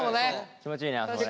気持ちいいねあそこね。